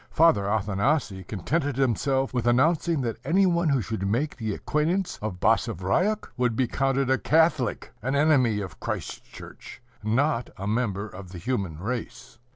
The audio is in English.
Father Athanasii contented himself with announcing that any one who should make the acquaintance of Basavriuk would be counted a Catholic, an enemy of Christ's church, not a member of the human race.